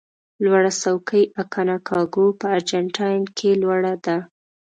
لوړه څوکه یې اکانکاګو په ارجنتاین کې لوړه ده.